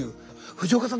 藤岡さん